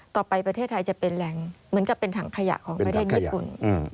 ประเทศไทยจะเป็นแหล่งเหมือนกับเป็นถังขยะของประเทศญี่ปุ่น